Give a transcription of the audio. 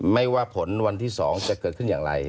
ไม่ว่าผลวันที่๒จะเกิดขึ้นอย่างไร